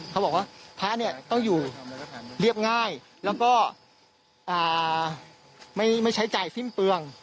เขาบอกว่าพระเนี่ยต้องอยู่เรียบง่ายแล้วก็ไม่ใช้ใจสิ้นเปลือง